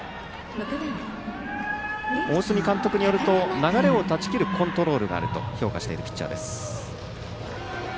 大角監督によると流れを断ち切るコントロールがあると評価しているピッチャーです。